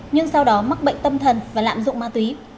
nhưng sau đó mắc bệnh tâm thần và lạm dụng ma túy